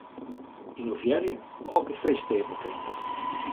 Ynnovearje, of de feesteapel krimpe?